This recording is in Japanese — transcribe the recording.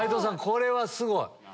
これはすごい。